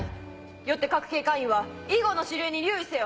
よって各警戒員は以後の指令に留意せよ。